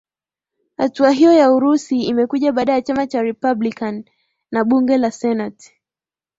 hatua hiyo ya urusi imekuja baada ya chama cha republican na bunge la senate